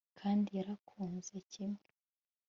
kandi yarankunze kimwe